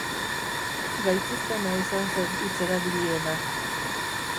Gaitzespena izan zen hitz erabiliena.